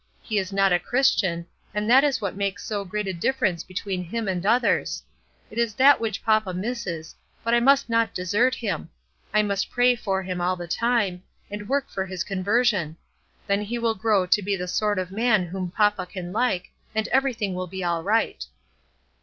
He is not a Christian, and that is what makes so great a difference between him and others. It is that which papa misses, but I must not desert him; I must pray for him all the time, and work for his conversion; then he will grow to be the sort of man whom papa can like, and everything will be right."